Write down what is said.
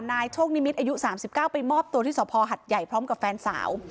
นายโชคนิมิตรอายุ๓๙ไปมอบตัวที่สภหัดใหญ่พร้อมกับแฟนสาว